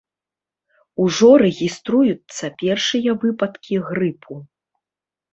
Ужо рэгіструюцца першыя выпадкі грыпу.